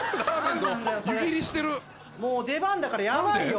もう出番だからヤバいよ。